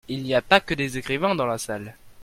Il n'y a pas que des écrivains dans la salle.